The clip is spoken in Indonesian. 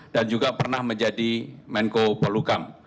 dan juga pernah menjadi menko polukam